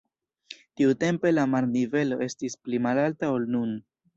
Tiutempe la marnivelo estis pli malalta ol nun.